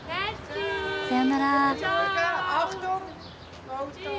さようなら。